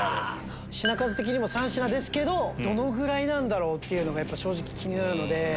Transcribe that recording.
品数的にも３品ですけどどのぐらいなんだろう？って正直気になるので。